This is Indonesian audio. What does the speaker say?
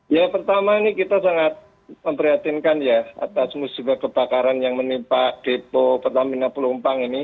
ya pertama ini kita sangat memprihatinkan ya atas musibah kebakaran yang menimpa depo pertamina pelumpang ini